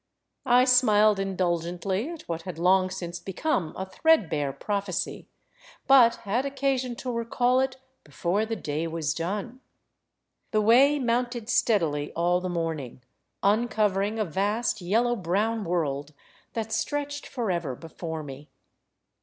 I smiled indulgently at what had long since become a threadbare prophesy, but had occasion to recall it before the day was done. The way mounted steadily all the morning, un covering a vast yellow brown world that stretched forever before me.